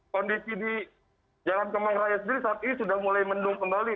kondisi di jalan kemang raya sendiri saat ini sudah mulai mendung kembali